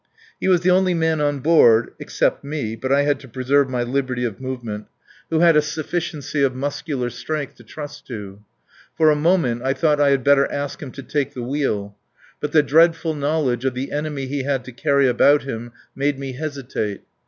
He was the only man on board (except me, but I had to preserve my liberty of movement) who had a sufficiency of muscular strength to trust to. For a moment I thought I had better ask him to take the wheel. But the dreadful knowledge of the enemy he had to carry about him made me hesitate.